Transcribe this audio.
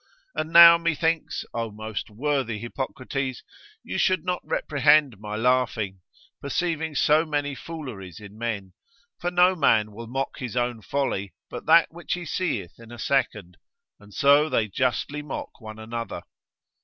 And now, methinks, O most worthy Hippocrates, you should not reprehend my laughing, perceiving so many fooleries in men; for no man will mock his own folly, but that which he seeth in a second, and so they justly mock one another.